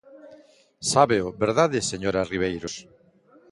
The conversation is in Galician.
¿Sábeo, verdade, señora Ribeiros?